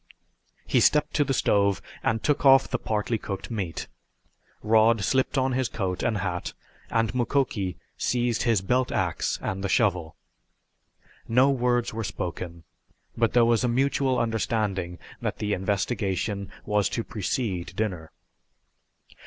He stepped to the stove and took off the partly cooked steak. Rod slipped on his coat and hat and Mukoki seized his belt ax and the shovel. No words were spoken, but there was a mutual understanding that the investigation was to precede dinner.